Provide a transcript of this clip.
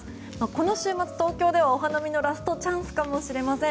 この週末、東京はお花見のラストチャンスかもしれません。